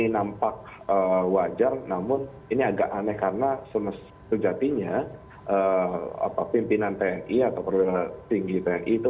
ini nampak wajar namun ini agak aneh karena semesjatinya pimpinan tni atau perwira tinggi tni itu